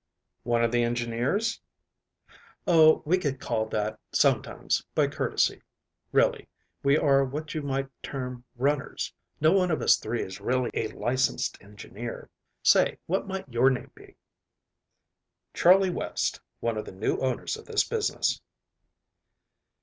"One of the engineers?" "Oh, we get called that sometimes by courtesy. Really, we are what you might term runners. No one of us three is really a licensed engineer. Say, what might your name be?" "Charley West, one of the new owners of this business."